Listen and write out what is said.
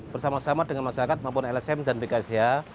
bersama sama dengan masyarakat maupun lsm dan bkc